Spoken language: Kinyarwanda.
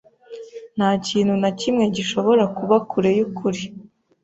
Nta kintu na kimwe gishobora kuba kure yukuri.